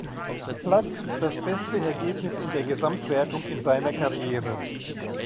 Platz das beste Ergebnis in der Gesamtwertung in seiner Karriere.